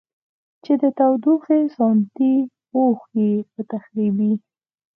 چې د تودوخې ساتنې پوښ یې په تخریبي